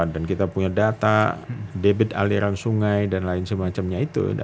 dan kita punya data debit aliran sungai dan lain semacamnya itu